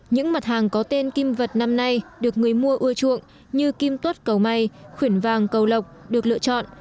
những mặt hàng có tên kim vật năm nay được người mua ưa chuộng như kim tuất cầu may khuyển vàng cầu lộc được lựa chọn